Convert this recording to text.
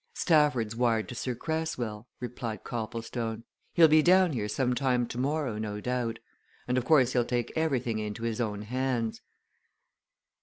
"Stafford's wired to Sir Cresswell," replied Copplestone. "He'll be down here some time tomorrow, no doubt. And of course he'll take everything into his own hands."